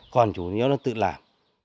còn chú nhớ nó tự làm